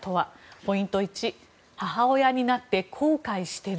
ポイント１「母親になって後悔してる」。